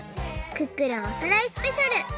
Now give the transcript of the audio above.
クックルンおさらいスペシャル！」。